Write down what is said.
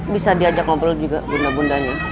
bisa diajak ngobrol juga bunda bundanya